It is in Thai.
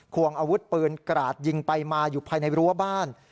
ควงอาวุธปืนกราดยิงไปมาอยู่ภายในรั้วบ้าน